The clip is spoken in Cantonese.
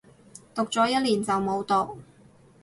讀咗一年就冇讀